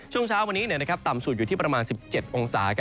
ช่วงเช้าวันนี้ต่ำสุดอยู่ที่ประมาณ๑๗องศา